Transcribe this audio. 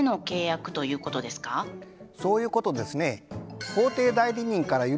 そういうことですね。